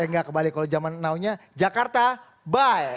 eh enggak kembali kalau zaman now nya jakarta bye